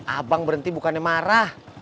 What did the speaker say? abang berhenti bukannya marah